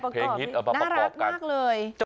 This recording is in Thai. เพลงฮิตน่ารักมากเลย